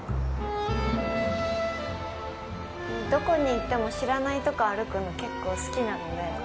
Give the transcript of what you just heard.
どこに行っても知らないところ歩くの結構好きなので。